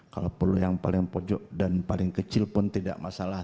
kalau perlu yang paling pojok dan paling kecil pun tidak masalah